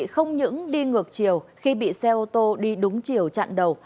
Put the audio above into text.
không những đi ngược chiều khi bị xe ô tô đi đúng chiều chặn đầu